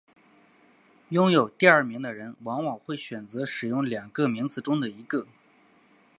拥有第二名的人往往会选择使用两个名字中的一个。